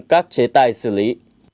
các chế tài xử lý